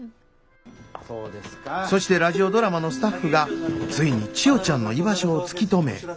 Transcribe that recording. そしてラジオドラマのスタッフがついに千代ちゃんの居場所を突き止め。